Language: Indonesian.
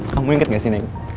kamu inget gak sih neng